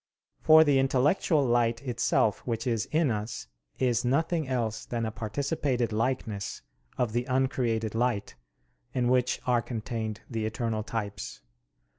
For the intellectual light itself which is in us, is nothing else than a participated likeness of the uncreated light, in which are contained the eternal types.